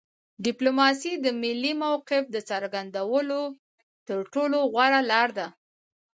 ډیپلوماسي د ملي موقف د څرګندولو تر ټولو غوره لار ده